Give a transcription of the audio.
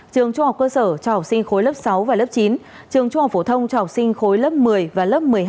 trường trung học cơ sở cho học sinh khối lớp sáu và lớp chín trường trung học phổ thông cho học sinh khối lớp một mươi và lớp một mươi hai